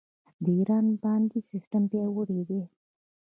د ایران بانکي سیستم پیاوړی دی.